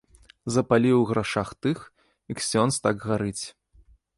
Запаліў у грашах тых, і ксёндз так гарыць.